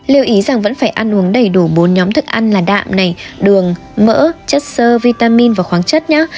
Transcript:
lưu ý rằng vẫn phải ăn uống đầy đủ bốn nhóm thức ăn là đạm này đường mỡ chất sơ vitamin và khoáng chất nhác